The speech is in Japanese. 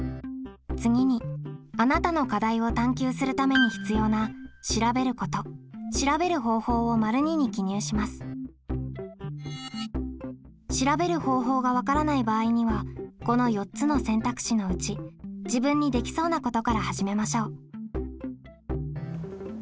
次にあなたの課題を探究するために必要な調べる方法が分からない場合にはこの４つの選択肢のうち自分にできそうなことから始めましょう。